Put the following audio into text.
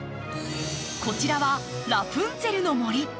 こちらはラプンツェルの森。